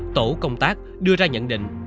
tổ công tác đưa ra nhận định